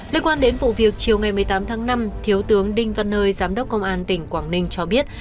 liên quan đến vụ việc chiều ngày một mươi tám tháng năm thiếu tướng đinh văn nơi giám đốc công an tỉnh quảng ninh cho biết